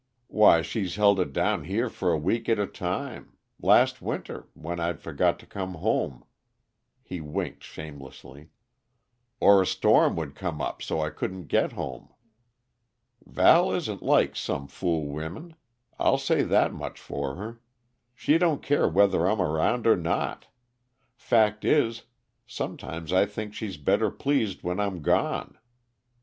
Why, she's held it down here for a week at a time last winter, when I'd forgot to come home" he winked shamelessly "or a storm would come up so I couldn't get home. Val isn't like some fool women, I'll say that much for her. She don't care whether I'm around or not; fact is, sometimes I think she's better pleased when I'm gone.